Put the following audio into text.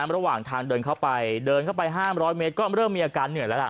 ระหว่างทางเดินเข้าไปเดินเข้าไป๕๐๐เมตรก็เริ่มมีอาการเหนื่อยแล้วล่ะ